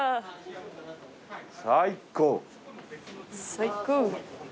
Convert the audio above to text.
最高。